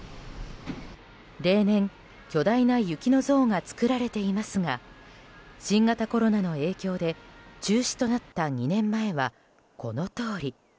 例年、巨大な雪の像が作られていますが新型コロナの影響で中止となった２年前は、このとおり。